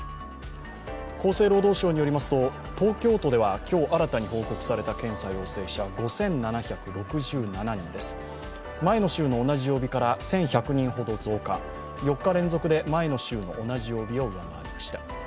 厚生労働省によりますと東京都では今日新たに報告された検査陽性者５７６７人です、前の週の同じ曜日から１１００人ほど増加、４日連続で前の週の同じ曜日を上回りました。